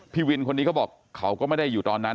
พี่วินคนนี้เขาบอกเขาก็ไม่ได้อยู่ตอนนั้น